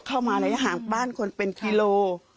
เข้ามาแล้วอย่างบ้านคนเป็นกิโลกรัม